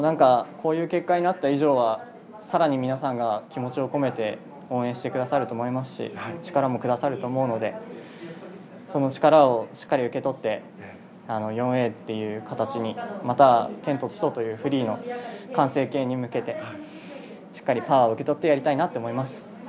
こういう結果になった以上は更に皆さんが気持ちを込めて応援してくださると思いますし力もくださると思うのでその力をしっかり受け取って４Ａという形にまた「天と地と」というフリーの完成形に向けてしっかりパワーを受け取ってやりたいと思います。